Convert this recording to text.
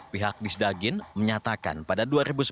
pihak disdagin menyatakan pada dua ribu sembilan belas